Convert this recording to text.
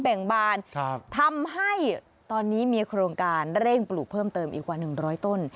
แบ่งบานทำให้ตอนนี้มีโครงการเร่งปลูกเพิ่มเติมอีกกว่า๑๐๐ต้น